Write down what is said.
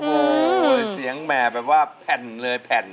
โอ้โหเสียงแหม่แบบว่าแผ่นเลยแผ่น